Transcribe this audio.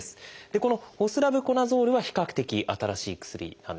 このホスラブコナゾールは比較的新しい薬なんです。